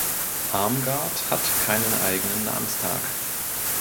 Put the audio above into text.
Armgard hat keinen eigenen Namenstag.